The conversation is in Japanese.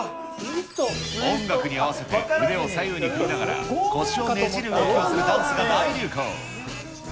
音楽に合わせて腕を左右に振りながら、腰をねじる動きをするダンスが大流行。